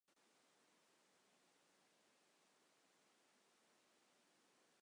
যেমনঃ- ওজোন ও অক্সিজেন।